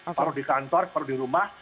separuh di kantor separuh di rumah